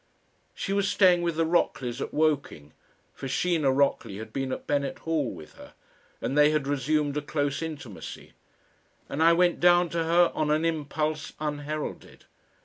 She was staying with the Rockleys at Woking, for Shena Rockley had been at Bennett Hall with her and they had resumed a close intimacy; and I went down to her on an impulse, unheralded.